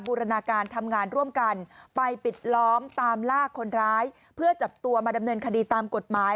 บูรณาการทำงานร่วมกันไปปิดล้อมตามลากคนร้ายเพื่อจับตัวมาดำเนินคดีตามกฎหมาย